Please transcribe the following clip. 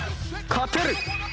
勝てる。